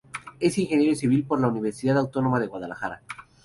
Es ingeniero civil por la Universidad Autónoma de Guadalajara.